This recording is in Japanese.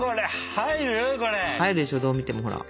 入るでしょどう見てもほら。